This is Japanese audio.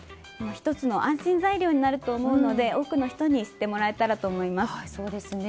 １つの安心材料になると思うので多くの人に知ってもらえたらと思います。